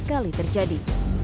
pertama kali terjadi